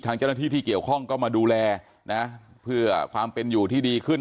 เจ้าหน้าที่ที่เกี่ยวข้องก็มาดูแลนะเพื่อความเป็นอยู่ที่ดีขึ้น